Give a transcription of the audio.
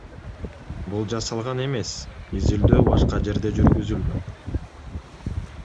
Бул жасалган эмес, изилдөө башка жерде жүргүзүлгөн.